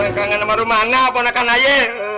orang kangen sama ruh mana ponakan aja